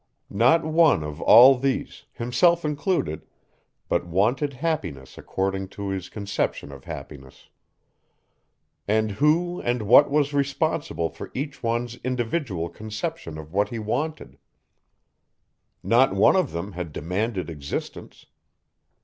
Not one of all these, himself included, but wanted happiness according to his conception of happiness. And who and what was responsible for each one's individual conception of what he wanted? Not one of them had demanded existence.